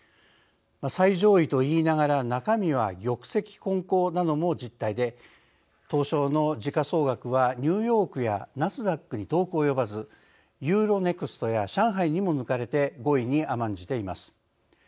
最上位といいながら中身は玉石混交なのも実態で東証の時価総額はニューヨークやナスダックに遠く及ばずユーロネクストや上海にも抜かれて５位に甘んじています。